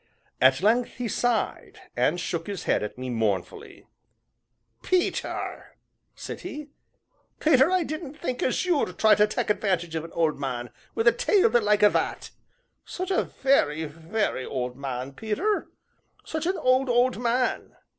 At length he sighed, and shook his head at me mournfully. "Peter," said he, "Peter, I didn't think as you'd try to tak' 'vantage of a old man wi' a tale the like o' that such a very, very old man, Peter such a old, old man!"